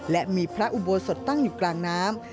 และมีพระอุโบสถตั้งอยู่กลางน้ำ